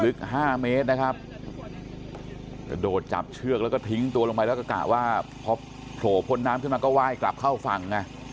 ห้าเมตรนะครับกระโดดจับเชือกแล้วก็ทิ้งตัวลงไปแล้วก็กะว่าพอโผล่พ้นน้ำขึ้นมาก็ไหว้กลับเข้าฝั่งไง